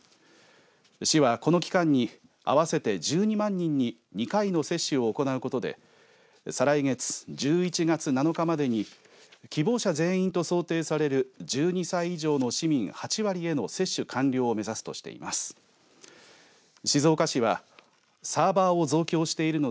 市はこの期間に合わせて１２万人に２回の接種を行うことで再来月、１１月７日までに希望者全員と想定される１２歳上の市民８割への接種完了を目指すとしています。